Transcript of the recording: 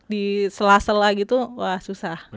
di sela sela gitu wah susah